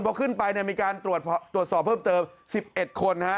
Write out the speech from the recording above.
พอขึ้นไปมีการตรวจสอบเพิ่มเติม๑๑คน